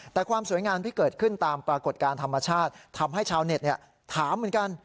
แต่ความสวยงามที่เกิดขึ้นตามปรากฏการณ์ธรรมชาติทำให้ชาวเน็ตถามเหมือนกัน